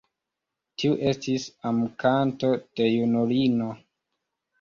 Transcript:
Tiu estis amkanto de junulino.